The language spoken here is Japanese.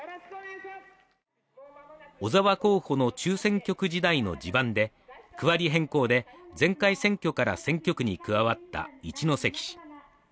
小沢候補の中選挙区時代の地盤で区割り変更で前回選挙から選挙区に加わった一関市